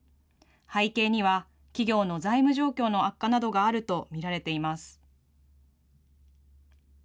背景には、企業の財務状況の悪化などがあると見られています。